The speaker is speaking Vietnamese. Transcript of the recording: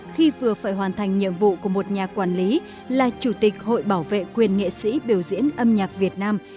khi vừa phải hoàn thành nhiệm vụ của một nhà quản lý là chủ tịch hội bảo vệ quyền nghệ sĩ biểu diễn âm nhạc việt nam